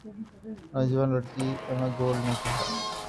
نوجوان لڑکی Emma Gold نے کہا